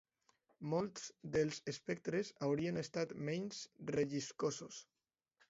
Molts dels espectres haurien estat menys relliscosos.